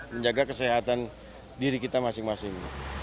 menjaga kesehatan diri kita masing masing